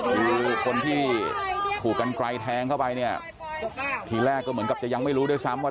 คือคนที่ถูกกันไกลแทงเข้าไปเนี่ยทีแรกก็เหมือนกับจะยังไม่รู้ด้วยซ้ำว่า